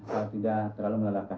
jangan terlalu melalakan